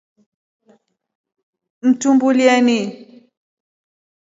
Mtuumbulyeni.